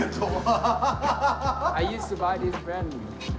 アハハハハ！